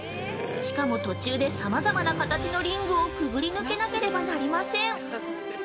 しかも途中でさまざまな形のリングをくぐり抜けなければなりません！